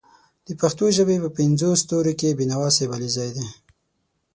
د پښتو ژبې په پینځو ستورو کې بېنوا صاحب علیزی دی